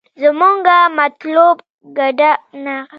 زمونګه مطلوب ګډا نه دې.